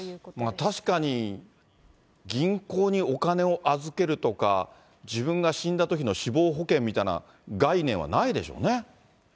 確かに、銀行にお金を預けるとか、自分が死んだときの死亡保険みたいな概念はないでしょうね。